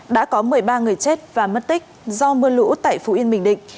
đã có một mươi ba người chết và mất tích do mưa lũ tại phú yên bình định